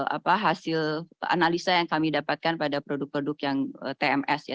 apa hasil analisa yang kami dapatkan pada produk produk yang tms ya